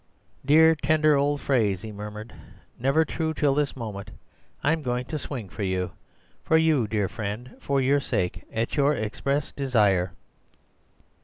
Dear, tender old phrase,' he murmured; 'never true till this moment. I am going to swing for you. For you, dear friend. For your sake. At your express desire.